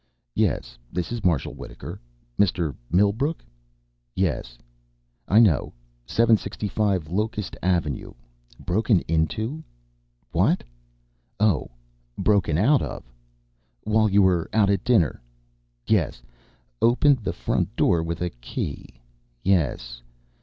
"Yes, this is Marshal Wittaker. Mr. Millbrook? Yes, I know 765 Locust Avenue. Broken into? What? Oh, broken out of! While you were out at dinner. Yes. Opened the front door with a key. Yes.